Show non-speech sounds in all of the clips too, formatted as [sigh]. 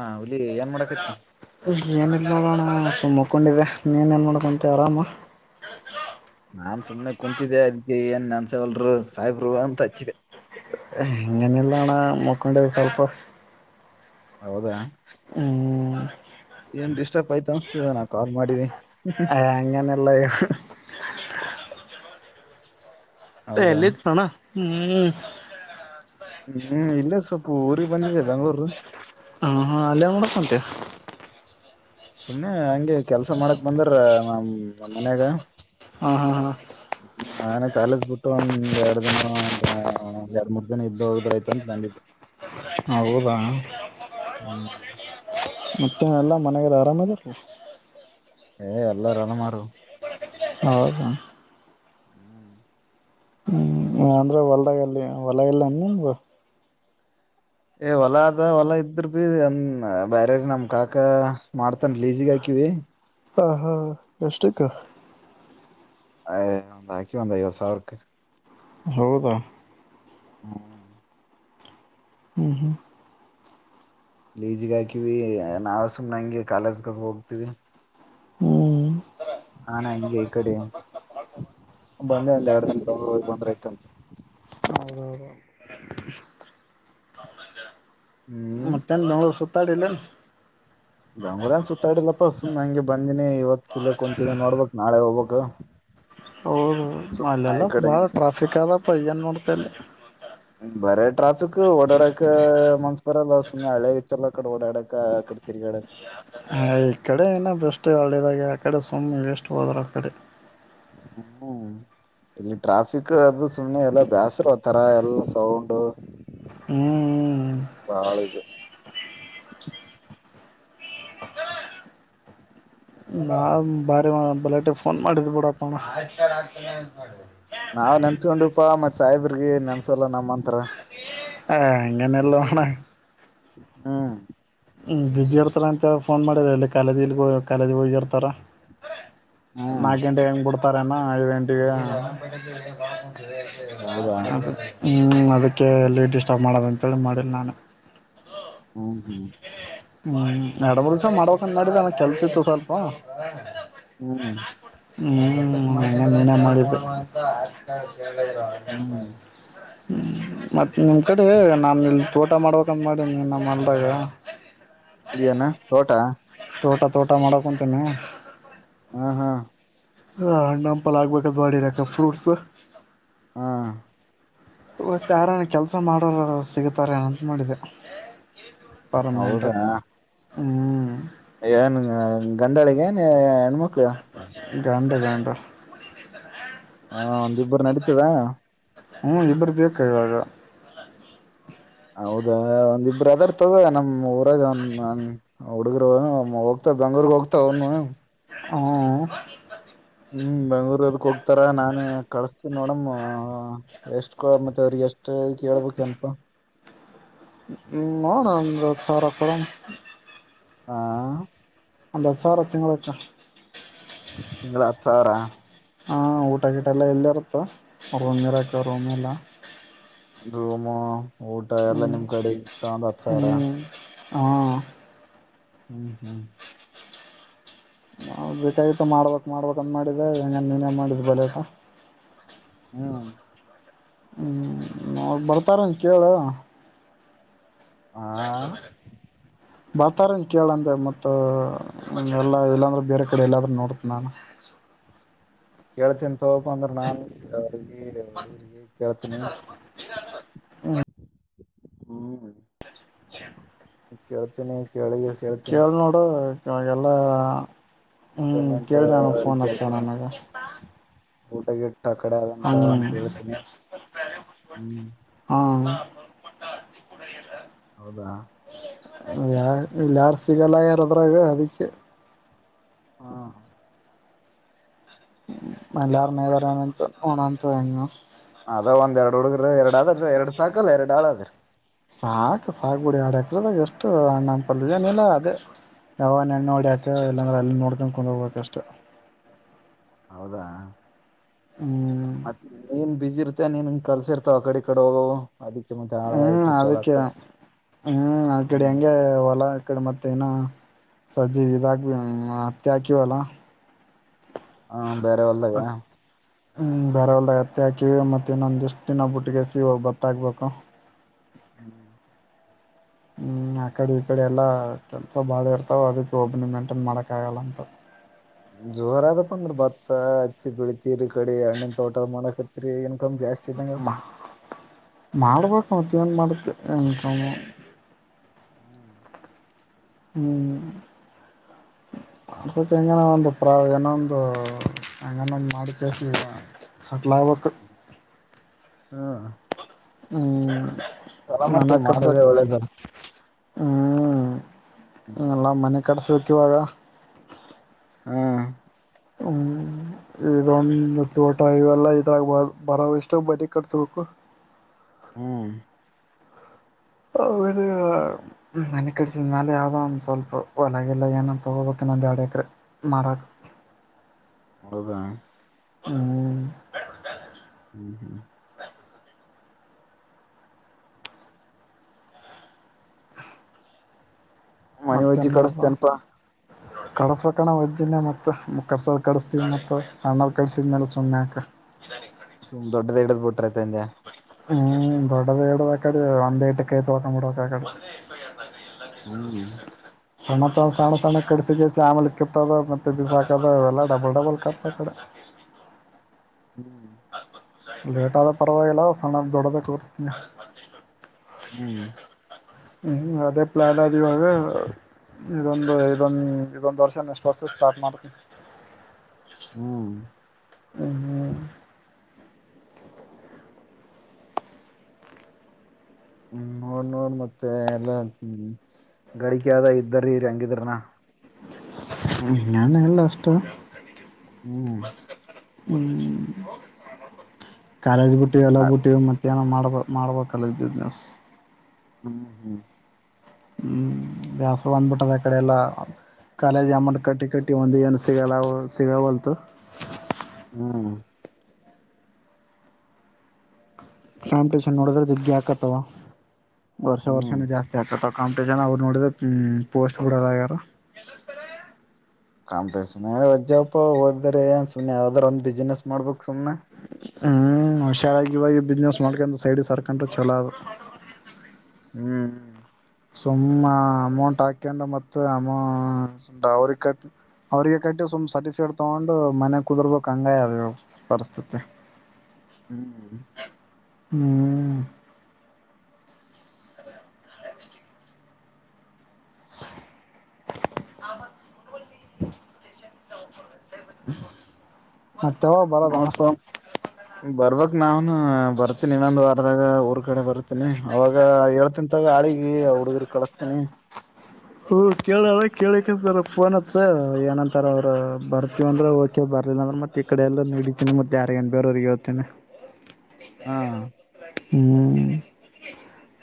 ಹಾ ಹುಲಿ ಏನ್ ಮಾಡಕತಿ. ಏನು ಇಲ್ಲ ನೋಡೋಣ ಸುಮ್ಮ ಮುಕೊಂಡಿದೆೆ ನೀ ಏನ್ ಮಾಡಕತಿ ಆರಾಮ ನಾನ್ ಸುಮನೆ ಕುಂತಿದ್ದೆ ಅದಕ್ಕೆ ಏನ್ ನೆನ್ಸವಲ್ರು ಸಾಯಿಬರು ಅಂತ ಹಚ್ಚಿದೆ ಆಗೇನು ಇಲ್ಲ ಅಣ್ಣ ಮಾಕೋಡಿದ್ದೆ ಸಲ್ಪ ಹೌದಾ ಹ್ಮ್ ಏನ್ ಡಿಸ್ಟರ್ಪ್ ಆಯತ ಅನ್ಸ್ತದೆ ಏನು ಹೇ ಆಗೇನು ಇಲ್ಲ ಹೇಳು ಹೌದಾ ಎಲ್ಲಿಇದನ್ನ ಹ್ಮ್ ಹ್ಮ್ ಇಲ್ಲ ಸ್ವಲ್ಪ ಊರಿಗ್ ಬಂದಿದೆ ಬೆಂಗ್ಳೂರು ಹ ಹಾ ಅಲ್ಲಿ ಏನ್ ಮಾಡಕ ಹೊಂಟಿ ಸುಮನೆ ಹಂಗೆ ಕೆಲ್ಸ ಮಾಡಕ್ ಬಂದಾರ ನ ಮನ್ಯಾಗ ಹಾ ಹಾ ಹಾ ನಾನು ಕಾಲೇಜ್ ಬಿಟ್ಟು ಒಂದ್ ಎರಡ್ ದಿನ ಎರಡ್ ಮೂರ್ ದಿನ ಇದ್ದ ಹೋದರೆ ಅಂತ ಬಂದಿದ್ದೆ ಹೌದಾ ಹ್ಮ್ ಮತ್ತ ಎಲ್ಲ ಮನ್ಯಾಗ ಅರಾಮಾದಿರಲ್ಲ ಎಲ್ಲ ಆರಾಮ್ದಾರೋ ಹೌದ ಹ್ಮ್ ಅಂದ್ರೆ ಹೊಲದಾಗಲ್ಲಿ ಹೊಲ ಇಲ್ಲ ಏನು ನಿಮ್ದು ಏ ಹೊಲ ಅದ ಹೊಲ ಇದ್ರಬಿ ಅಂ ಬ್ಯಾರೆರ ನಮ್ ಕಾಕ ಮಾಡ್ತನ್ ಲಿಝಿಗ್ ಹಾಕಿವಿ. ಹಾ ಹಾ ಎಷ್ಟಕ್ಕ. ಎ ಯ ಒಂದ ಹಾಕಿವ ಒಂದ ಐವತ್ತ ಸಾವ್ರಕ್ಕ. ಹೌದಾ. ಹಾ ಹ್ಮ್ ಹ್ಮ್ ಲೀಜಿಗ ಹಾಕಿವಿ ಏ ನಾವ ಸುಮ್ನೆಂಗೆ ಕಾಲೇಜ್ಕ ಅದ ಹೋಗ್ತೀವಿ. ಹ್ಞೂ ನಾನ ಹಂಗೆ ಈಕಡೆ ಬಂದೆ ಒಂದ್ ಯಾಡ್ ದಿನ್ ಬೆಂಗಳೂರ್ ಹೋಗಿ ಬಂದ್ರ ಆಯ್ತಂತ. ಹೌದೌದು. ಹ್ಮ್ ಮತ್ತೆನ್ ಬೆಂಗಳೂರ್ ಸುತ್ತ ತ್ತಡಿಲ್ಲಾ ಬೆಂಗ್ಳೂರ್ ಏನ್ ಸುತ್ತಾಡಿಲ್ಲಪ್ಪ ಸುಮ್ ಹಂಗೆ ಬಂದಿನಿ ಇವತ್ತ ಇಲ್ಲೆ ಕುಂತೀನಿ ನೋಡ್ಬಕ್ ನಾಳೆ ಹೋಗ್ಬೇಕ್. ಹೌದು ಅಲ್ಲೆಲ್ಲ ಬಾಳ ಟ್ರಾಫಿಕ್ ಆದಪ್ಪ ಏನ್ ನೋಡ್ತ ಅಲ್ಲಿ. ಹ್ಮ್, ಬರೇ ಟ್ರಾಫಿಕ್ ಓಡಾಡಕ್ ಮನ್ಸ ಬರಲ್ಲ ಸುಮ್ಮ ಹಳೆ ಇಚ್ಚಲ್ಲ ಅಕಡೆ ಓಡಾಡಕ ಅಕಡೆ ತಿರ್ಗಾಡಕ. ಹ ಈಕಡೆ ಏನ ಬೆಸ್ಟ್ ಹಳ್ಳಿದಾಗೆ ಆಕಡೆ ಸುಮ್ಮನೆ ವೆಸ್ಟ್ ಹೋದ್ರ ಆಕಡಿ. ಹ್ಮ್ ಇಲ್ಲಿ ಟ್ರಾಫಿಕ್ ಅದು ಸುಮ್ನೆ ಎಲ್ಲಾ ಬ್ಯಾಸರ್ ಒಂತರ ಎಲ್ಲ ಸೌಂಡೂ. ಹ್ಮ್ ಹ್ಮ್ ಭಾಳ ಇದು ನಾ ಬಾರಿ ಬಲಾಟಿ ಫೋನ್ ಮಾಡಿದ್ ಬಿಡಪ್ಪನ ನಾವ್ ನೆನ್ಸ್ಕೊಂಡಿವ್ಪಾ ಮತ್ ಸಾಯಿಬರ್ಗಿ ನೆನ್ಸೋಲ್ಲ ನಮ್ಮಂತ್ರ. ಏ ಹಂಗೆನ್ ಇಲ್ಲೋ ಅಣ್ಣ. ಹಾ ಹ್ಮ್ ಬಿಜಿ ಇರ್ತಲಾ ಅಂತ ಏಲ್ ಫೋನ್ ಮಾಡಿದೇ ಎಲ್ಲಿ ಕಾಲೇಜ್ ಇಲ್ಲಿ ಕಾಲೇಜ ಹೋಗಿರ್ತಾರ. ಹ್ಮ್ ನಾಲ್ಕ ಗಂಟೆ ಹೆಂಗ್ ಬಿಡ್ತಾರ ಅಣ್ಣ ಐದ ಗಂಟೆಗ್ ಅದ ಹೌದಾ ಹಂ ಅದಕ್ಕೆ ಎಲ್ಲಿ ಡಿಸ್ಟರ್ಬ್ ಮಾಡೋದಂತೇಳಿ ಮಾಡಿಲ್ಲ ನಾನ. ಹ್ಮ್ ಹ್ಮ್ ಹ್ಮ್ ನಡಬರ್ಸ ಮಾಡ್ಬೇಕ್ ಅಂತ್ ಮಾಡಿದ್ದೆ ಆನ್ ಕೆಲ್ಸಿತ್ತು ಸ್ವಲ್ಪ ಹ್ಮ್ ಹ್ಮ್ ಮನ್ನೆ ಮನ್ನೆ ಮಾಡಿದ್ದೆ. [unintelligible] ಹ್ಮ್ ಹ್ಮ ಮತ್ತ ನಿಮ್ ಕಡಿ ನಾನ ಇಲ್ಲಿ ತೋಟ ಮಾಡ್ಬೇಕಂತ ಮಾಡೀನೀ ನಮ್ಮ ಹೊಲ್ದಾಗ. ಇದನಾ ತೋಟ ತೋಟ ತೋಟ ಮಾಡಕೊಂತೀನ. ಹಾ ಹಾ ಹಾ ಹಣ್ಣ ಹಂಪಲ್ ಹಾಕಬೇಕಂತ್ ಮಾಡಿನಿ ಫ್ರೂಟ್ಸ್. ಹಾ ಇವತ್ತ ಯಾರಾನ ಕೆಲ್ಸ ಮಾಡೋರು ಸಿಗತಾರ ಏನ್ ಅಂತ ಮಾಡಿದೆ. ಹೌದಾ. ಹ್ಮ. ಏನ್ ಗಂಡಾಳಿಗ ಏ ಮಕ್ಕಳ [inaudible] ಗಾಂಡ ಗಂಡ ಹಾ ಒಂದಿಬ್ಬರು ನಡೀತದ ಹ್ಮ್ ಇಬ್ಬರು ಬೇಕಾಗಾಗ ಹೌದಾ ಒಂದಿಬ್ಬ್ರ ಅದರ್ ತಗ ನಮ್ ಊರಾಗ ಒಂದ ಹುಡುಗರು ಹೋಗ್ತಾವ ಬೆಂಗಳೂರ್ಗ್ ಹೋಗ್ತಾವ ಅವನು ಹ್ಮ್ ಹ್ಮ್ ಬೆಂಗ್ಳೂರ್ ಹದಕ್ ಹೋಗ್ತಾರ ನಾನೇ ಕಳಸ್ತೀನಿ ನೋಡಮ್ ಎಷ್ಟ್ ಕೊ ಮತ್ತೆ ಅವ್ರಿಗೆ ಎಷ್ಟ್ ಅಷ್ಟೇ ಕೇಳ್ಬೇಕನಪಾ ಹ್ಮ ನಂದು ಸರಪಡ ಹಾ ಅಂದ ಸಾವರ ತಿಂಗಕ್ಕ ತಿಂಗಳ ಹತ್ತು ಸಾವಿರ ಹಾ ಊಟ ಗೀಟ ಎಲ್ಲ ಎಲ್ಲ ಇರುತ್ತೆ ರೂಮ್ ಇರಾಕ ರೂಮ್ೆಲ್ಲ ರೂಮು ಊಟ ಎಲ್ಲಾ ನಿಮ್ ಕಡೆ ಇ ತ ಒಂದ್ ಹತ್ ಸಾವಿರ ಹ್ಮ ಹ್ಮ್ ಹ್ಮ್ ನ ಬೇಕಾಗಿತ್ತು ಮಾಡ್ಬೇಕು ಮಾಡ್ಬೇಕುಂತ ಮಾಡಿದೆ ಹಂಗ ನೀನೇ ಮಾಡಿದ ಬೆಳೆತ ಹ್ಮ್ ಹ್ಮ್ ನ ಬರ್ತಾರನ್ ಕೇಳ ಆಾ ಬಾತಾರನ್ ಕೇಳಂದೆ ಮತ್ತ ಎಲ್ಲಾ ಇಲ್ಲಾಂದ್ರೆ ಬೇರೆ ಕಡೆ ಎಲ್ಲಾದ್ರೂ ನೋಡತ ನಾಾನು ಹೇಳ್ತಿ ಸೊ ಪಂದ್ರ ನಲ್ ಅವ ಅವಡುರಿಗೆ ಕೆಳತನ ಹ ಹ್ಮ್ ಕೇಳ್ತೇನಿ ಕೇಳಿಗೆ ಚಲ್ ನೋಡು ಇಗೆಲ್ಲ ಹ್ಮ್ ಪೇಮೆಂಟ್ ಕೇಳ ನಾನ ಫೋನ್ ಹಚ್ಚ ನನಗೆ ಊಟಗಟ್ಟ ಕಡೆ ಅದಂತ ಅಂತ ಹ್ಮ್ ಹೇಳ್ತೀನಿ ಹ್ಮ್ ಮಪಟ್ಟ ಆರ್ಚಿಿಕೂಡೆಯಲ್ಲ ಹೌದಾ ಯ ಎಲ್ಲಾರ್ ಸಿಗಲ್ಲ ಯಾರದ್ರಾಗ ಅದಕ್ಕೆ ಹಾ ಎಲ್ಲಾರನೇರಾನ ಓಣನ್ ತು ಅದ ಒಂದ ಎರ ಹುಗ್ರ ಎರಡ್ ಆದದ ಎರಡ್ ಸಾಕಲ್ ಎರಡು ಹಾಳಾದ್ರಿ ಸಾಕ್ು ಸಾಕು ಗುಡಿ ಆಡಾಕ ಅದ ಎಷ್ಟು ಅಣ್ಣಪಲ್ ಏನಿಲ್ಲ ಅದೇ ಯಾವ ನೆಣ್ಣು ಹೊಡಕ ಇಲ್ಲಾಂದ್ರೆ ಅಲ್ಲಿ ನೋಡ್ಕೊಂಡ ಕುೊಂಡ ಹೋಗ್ಕಷ್ಟ ಮ ಏನ್ ಬಸಿ ಇರುತ್ತೆ ನೀನ್ಗೆ ಕಲ್ಸಿರ್ತಾವ ಆ ಕಡೆ ಕಡೆ ಹೋಗ ಹ್ಮ್ ಅದಕ್ಕೆ ಹ್ಮ್ ಕಡಿ ಹ್ಮ್ ಹೆಂಗೆ ಹೊಲ ಕಡೆ ಮತ್ತೆ ಏನ ಸಜಿ ಇದಾಕ್ ಹತ್ತಿ ಹಾಕಿವಲ್ಲ ಹಾ ಬೇರೆ ಒಲ್ಲವ ಹ್ಮ್ ಬೇಾರ ಒಲ್ದ ಅತ್ತೆ ಹಾಕಿವವಿ ಮತ್ತೆ ಇನ್ನೊಂದ ಎಷ್ಟ ದಿನ ಬುಟ್ಟಿಗೆ ಸಿ ಬತ್ತಾಕ್ಬೇಕು ಹ್ಮ್ ಹ್ಮ್ ಆಕಡೆ ಈ ಕಡೆ ಎಲ್ಲಾ ಕೆಲ್ಸ ಬಾಳ ಇರ್ತಾವ ಅದಕ್ಕೆ ಒಬ್ಬನಿ ಮೇಂಟೈನ್ ಮಾಡಕ್ ಆಗಲ್ಲ ಅಂತ ಜೋರ ಅದಪ್ಪ ಅಂದ್ರ ಭತ್ತ ಹತ್ತಿ ಬಿಳತಿೀರಿ ಕಡಿ ಹಣ್ಣನ್ ತೋಟದ ಮಾಡಕತ್ರಿ ಏನ್ ಕಮ ಜಾಸ್ತಿ ಇ್ದಂಗ ಅವತ್ತ ಏನ್ ಮಾಡುತ್ತೆ ನನ್ ಹ್ಮ ಹ್ಮ್ ಹೆಂಗ ಒಂದು ಪ್ರ ಏನೊಂದು ಹಂಗೊಂದು ಮಾಡ ಕ ಸೆಟ್ಲ್ ಆಗ್ಬೇಕ ಹಾ ಹ್ಮ್ ತರಮಟ್ಟಿ ಮಾಡದೆೇ ಒಳ್ಳೇದ ಹ್ಮ್ ಹ ಎಲ್ಲ ಮನೆ ಕಡ್ಸ ಕೆವರ ಹಾ ಹ್ಮ್ ಇದೊಂದು ತೋಟ ಇವೆಲ್ಲ ಇದಾಗಬ ಬರೋ ಎಷ್ಟು ಬರಿೀ ಕಟ್ಸ್ಬೇಕು ಹ್ಮ್ ಅವ ಮನೆ ಕಡಸಿದ್ಮ್ಯಾಲ ಯಾವವು್ದೋ ಒಂದು ಸ್ವಲ್ಪ ಹೊಲಗಲ್ಲ ಏನ ತಗೋಬೇಕನ್ನೊ ದರಡು ಎಕ್ರೆ ಮಾರಕ ನದ ಹ್ಮ್ ಹ್ಮ್ ಹ್ಮ್ ಮನೆ ಅಜ್ಜಿ ಕಡಸ್ತೇನಪಾ ಕಡಸ್ಬೇಕಣ ವಜ್ಜನ್ಯ ಮತ್ ಕರ್ಸದ ಕಡಿಸತೀವಿ ಮತ್ತ ಸಣ್ಣಲ್ ಕಡಸಿದ್ಮೇಲೆ ಸುಮ್ನೆ ಹಾಕ ಸು್ ದೊಡ್ಡದ ಹಿಡ್ ಬಿಟ್ರೈತೆ ಹ್ಮ್ ದೊಡ್ಡದ ಎಡದ ಅಡೆ ಅಂದ ಇಟಕ್ಕೆೈ ತ ಹಕಂಬಿಡೋಕ ಅಡೆ ಹ್ಮ್ ಸಣ್ಣ ತ ಸಣ್ಣ ಸಣ್ಣ ಕಡಸಿ ಕಸಿಸಿ ಆಮಲೆ ಕತ್ತದ ಮತ್ತೆ ಬಿಸಾಕದ ಇವೆಲ್ಲ ಡಬಲ್ ಡಬಲ್ ಖರ್ಚ ಕಡೆ ಹ್ಮ್ ಲೇಟ್ ಆದ ಪರವಾಗಿಲ್ಲ ಸಣ್ಣ ದೊಡ್ಡದ ತೋರ್ಸ್ತೀನಿ ಹ್ಮ್ ಹ್ಮ್ ಅದೇ ಪ್ಲಾನ್ ಆದ ಇವಾಗ ಇದೊಂದು ಇದೊಂದು ಇದೊಂದು್ ವರ್ಷ ನೆಸ್ಟ್ ವರ್ಷ ಸ್ಟಾರ್ಟ್ ಮಾಡ್ರ ಹ್ಮ್ ಹ್ಮ್ ಹ್ಮ ಹ್ಮ್ ನೋಡ್ ನೋಡ್ ಮತ್ತೆ ಎಲ್ಲ ಡಿಕೆದ ಇದ್ದರಿರಿ ಹಂಗಿದ್ರನಾ ಹ್ಮ ಾನ ಎಲ್ಲ ಇಷ್ಟ ಹ್ಮ್ ಹ್ಮ್ ಕಾಲೇಜ ಬುಟ್ಟಿ ಅಲ್ಲ ಬುಟ್ಟಿ ಮತ್ತೆ ಏನೋ ಮಾಡ್ಬ ಮಾಡ್ಬೇಕಲ್ಲ ಬಿಸ್ನೆಸ್ ಹ್ಮ್ ಹ್ಮ್ ಹ್ಮ್ ಬ್ಯಾಸ ಬಂದ್ಬಿಟ್ಟದ ಆ ಕಡೆ ಎಲ್ಲ ಕಾಲೇಜ್ ಅಮನ್ ಕಟ್ಟಿ ಕಟ್ಟಿ ಒಂದು ಏನು ಸಿಗಲ್ಲ ಸಿಗಾವಲ್ತು ಹ್ಮ ಕಾಂಪಿಟೇಷನ್ ನೋಡಿದ್ರೆ ಗ್ಗೆ ಹಾಕತ್ತವ ವರ್ಷ ಹ್ಮ್ ವರ್ಷನ ಜಾಸ್ತಿ ಆಗ್ತ ಕಾಂಪಿಟಷನ್ ಅವ ನೋಡಿದ್ರ ಪೋಸ್ಟ್ ಬಿಡದ್ಯಾರ ಕಾಂಪ ಅಜ್ಜಪ ಓದ್ದ್ರ ಏನ್ ಸುಮ್ಮನೆ ಯಾವ್ದಾರ ಒಂದ್ ಬಿಸ್ನೆಸ್ ಮಾಡ್ಬೇಕು ಸುಮನೆ ಹಞ ಹುಷಾರಾಗಿವಾಗಿ ಬಿಸ್ನೆಸ್ ಮಾಡ್ಕೊಂಡು ಸೈಡ್ ಸರ್ಕೊಂಡ್ರು ಚಛಲೋ ಅದು ಹ್ಮ್ ಹ್ಮ್ ಸುಮ್ಮ ಅಮೌಂಟ್ ಹಾಕೊಂಡು ಮತ್ತು ಅಮೌ ಅವ್ರಿಗೆ ಕಟ್ಟ ಅವಿಗೆ ಕಟ್ಟಿ ಸುಮ್ಮ್ ಸರ್ಟಿಫಿಕೇಟ್ ತಗೊಂಡು ಮನೆ ಕುದುರ್ಬೇಕು ಹಂಗಾಗಿ ಅದ ಪರಿಸ್ಥಿತಿ ಹ್ಮ್ ಹ್ಮ್ ಹ ಮ ತವಾ ಬರದಣ ಮಾ್ ಭರತ್ ನಿನಾಂತ ಬರದಾಗ ಕಡೆ ಬರ್ತೀನಿ ಅವಾಗ ಹೇಳ್ತನ್ಾಗ ಆಳಿಗೆ ಅವ ಹುಡುಗರು ಕಳಸ್ತೀನಿ ಹ್ಮ ಕೇಳಲ್ಲ ಕೇಳಿಕತಾರ ಫೋನ್ ಹತ್ಸ ಏನಂತಾರ ಅವ್ರು ಬರ್ತವಂದ್ರೆ ಓಕೆ ಬರ್ದಿಲ್ಲ ಅಂದ್ರೆ ಮತ್ತೆ ಈ ಕಡೆ ಎಲ್ಲೂ ನಡಿತೀನಿ ಮತ್ತೆ ಯಾರಿಗನ್ ಬೇರೋ್ರಿಗೆ ಹೋಗ್ತನಿ ಹಾ ಹ್ಮ್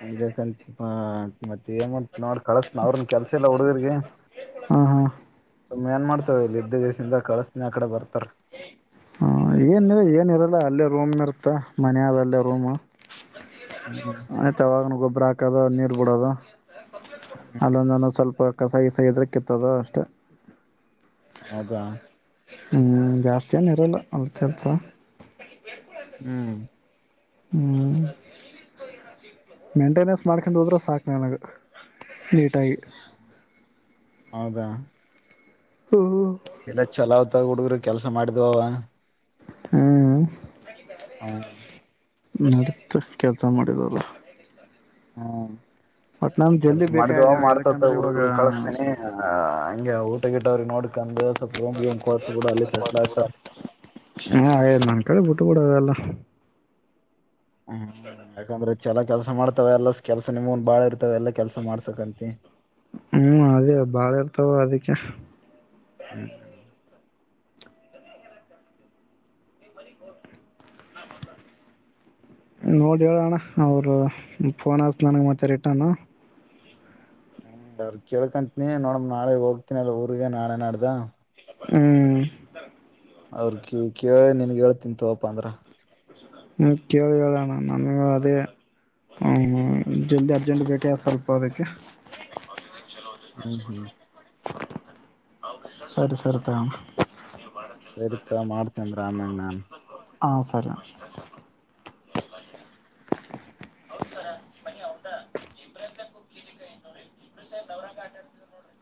ಹಂಗಬೇಕಂತ ಮತ್ತೆ ಏನ್ ಮಾಡ್ ನೋಡ್ ಕಳಸನ ಅವ್ರನ್ ಕೆಲ್ಸ ಇಲ್ಲ ಹುಡುಗರ್ಿಗೆ ಹಾ ಹಾ ತ್ ಏನ್ ಮಾಡ್ತವ ಇ ಇದ್ದ ದಿವಸಿಂದ ಕಳಸನ ಆ ಕಡೆ ಬರ್ತಾರ ಹ ಏನ್ಿ ಏನಿರಲ್ಲ ಅಲ್ಲೇ ರೂಮ್ ಇರ್ತ ಮನ ಆದ ಅಲ್ಲೇ ರೂಮ್ ಹ್ಮ್ ಅ ತವಾಕನು ಗೊಬ್ ಬ್್ರ ಹಾಕದ ನೀರ್ ಬಿಡೋದು ಹ್ಮ್ ಅಲ್ಲ ನಾನ ಸ್ವಲ್ಪ ಕಸಾಯ ಸಯದ್ರ ಕೆಿತ್ತದ ಅಷ್ಟೇ ಹೌದಾ ಹ್ಮ್ ಜಾಸ್ತಿನರಲ್ಲ ಅಲ್ಲಿ ಕೆಲ್ಸ ಹ್ಮ್ ಹ್ಮ್ ಮೇಂಟೆನೆನ್ಸ್ ಮಾಡ್ಕಂಡು ಹೋದ್ರೆ ಸಾಕ ನ ನನಗೆ ನೀಟಾಗಿಿ ಆೌದಾ ಇಲ್ಲ ಚಲಾವ್ ತ ಹುಡುಗ್ರ ಕೆಲಸ ಮಾಡಿದ ಅವ ಹ್ಮ ಹೌ ನಡತ್ ಕೆಲ್ಸ ಮಾಡಿದಲ್ಲ ಹಾ ಕೆಲ್ಸ ಮಾಡಿದ್ವ ಬೇಕಾಯ್ ಇವಾಗ ಮಾಡ್ತತ ಯಾಕಂದ್ರೆ ಊರ್ ಇವಾಗ ಕಳಸ್ತೇನಿ ಹಂ ಊಟ ಗಿಟ್ಟವ್ರಿಗೆ ನೋಡ್ ಕ ಹ ಹಾಗ ನನ್ ಕಡೆ ಬಿಊಟ್ಟು ಬಿಡದಲ್ಲ ಹ್ಮ್ ಯಾಕಂದ್ರೆ ಚಲ ಕೆಲ್ಸ ಮಾಡ್ತಾವ ಎಲ್ಲ ಕೆಲ್ಸ ನಿಮಂದನ್ ಬಾಳ ಇರ್ತವ ಎಲ್ಲ ಕೆಲ್ಸ ಮಾಡ್ಸಕಂತಿ ಹ್ಮ್ ಅದೇ ಬಾಳ ಇರ್ತಾವ ಅದಕ್ಕೆ ಹ್ಮ್ ಹ್ಮ್ ನೋಡಿ ಹೇಳ ಅಣ್ಣ ಅವರು ಫೋನ್ ಹಸ ನನ್ಗೆ ಮತ್ತೆ ರಿಟನ್ ಹ್ಮ ಬ್ರ ಕೇಳ್ಕಂತನಿ ನೋಡ ನಾಳೆ ಹೋಗ್ತನಲ್ಲ ಊರ್ಗ ನಾಳೆ ನಾಡ್ದ ಹ್ಮ್ ಅವ್ರ ಕ ಕೇಳಿ ನನ್ಗೆ ಹೇಳ್ತಿಂತಪಾ ಅಂದ್ರ ಹ್ಮ ಕೇಳಿ ಹೇಳೋಣ ನಮಗ ಅದೇ ಹ್ಮ್ ಜಲ್ದಿ ಅರ್ಜೆಂಟ್ ಬೇಕೆ ಸ್ವಲ್ಪ ಅದಕ್ಕೆ ಕೆಲೋ ಹ್ಮ್ ಹ್ಮ್ ಸರಿ ಸರಿ ತ ಸರಿತ ಮಾಡ್ತೇನೆ ರಾಮ ನಾಮ ಹಾ ಸರಿ ಹೌದಾ ಬನ್ನಿ ಹೌದಾ ಈ ಪ್ರಯತ್ನಕ್ಕ ಕೇಳ ನೋಡ್ರ ಇ ಅವರಂಗ ಆಟಾಡ್ತ ನೋಡ್ರಿ